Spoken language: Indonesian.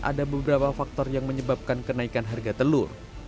ada beberapa faktor yang menyebabkan kenaikan harga telur